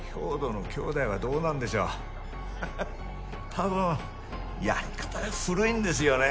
たぶんやり方が古いんですよね。